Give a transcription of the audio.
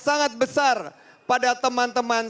sangat besar pada teman teman